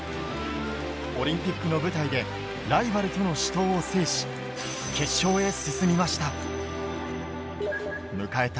オリンピックの舞台で、ライバルとの死闘を制し、決勝へ進みました。